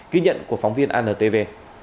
ký nhận của phóng viên antv